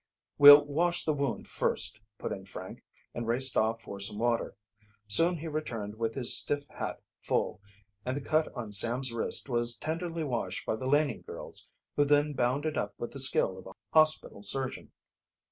"We'll wash the wound first," put in Frank, and raced off for some water. Soon he returned with his stiff hat full, and the cut on Sam's wrist was tenderly washed by the Laning girls, who then bound it up with the skill of a hospital surgeon.